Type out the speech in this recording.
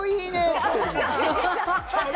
つってるもん。